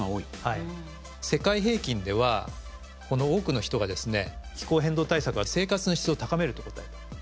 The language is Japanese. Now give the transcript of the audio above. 世界平均ではこの多くの人がですね気候変動対策は生活の質を高めると答えた。